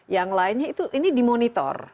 yang lainnya itu ini dimonitor